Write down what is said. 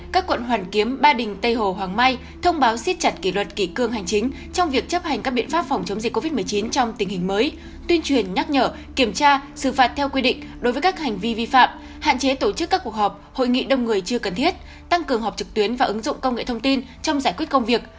các quận hoàn kiếm ba đình tây hồ hoàng mai thông báo siết chặt kỷ luật kỷ cương hành chính trong việc chấp hành các biện pháp phòng chống dịch covid một mươi chín trong tình hình mới tuyên truyền nhắc nhở kiểm tra xử phạt theo quy định đối với các hành vi vi phạm hạn chế tổ chức các cuộc họp hội nghị đông người chưa cần thiết tăng cường họp trực tuyến và ứng dụng công nghệ thông tin trong giải quyết công việc